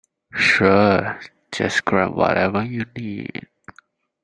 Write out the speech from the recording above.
Sure, just grab whatever you need.